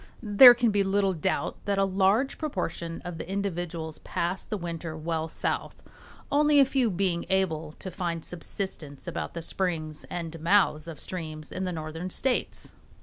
There can be little doubt that a large proportion of the individuals pass the winter well south, only a few being able to find subsistence about the springs and mouths of streams in the northern states.